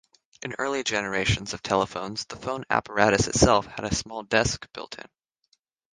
In early generations of telephones the phone apparatus itself had a small desk built-in.